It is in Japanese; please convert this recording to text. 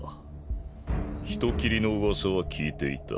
人斬りの噂は聞いていた。